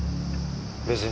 別に。